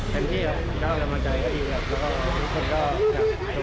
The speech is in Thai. ใช่ครับ